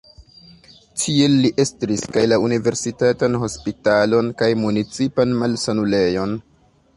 Tiel li estris kaj la universitatan hospitalon kaj municipan malsanulejon.